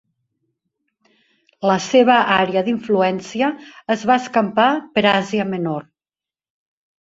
La seva àrea d'influència es va escampar per Àsia Menor.